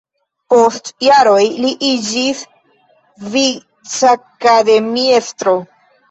Post jaroj li iĝis vicakademiestro.